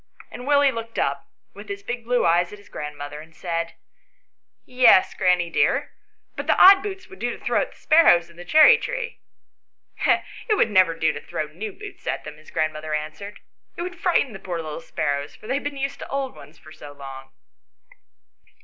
And Willie looked up with his big blue eyes at his grandmother, and said " Yes, granny, dear ; but the odd boots would do to throw at the sparrows in the cherry tree." " It would never do to throw new boots at them," his grandmother answered; "it would frighten the 104 ANYHOW STORIES. [STOEY poor little sparrows, for they have been used to old ones so long."